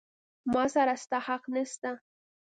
ما سره ستا حق نسته.